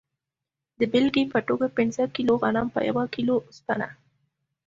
د بیلګې په توګه پنځه کیلو غنم په یوه کیلو اوسپنه.